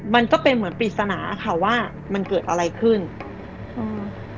มันก็เป็นเหมือนปริศนาค่ะว่ามันเกิดอะไรขึ้นอืม